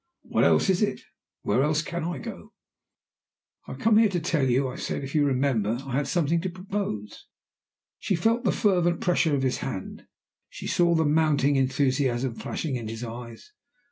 "What else is it? Where else can I go?" "I have come here to tell you. I said, if you remember, I had something to propose." She felt the fervent pressure of his hand; she saw the mounting enthusiasm flashing in his eyes.